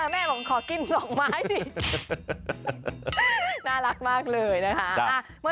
แม่บอกขอกิน๒ไม้สิน่ารักมากเลยนะคะ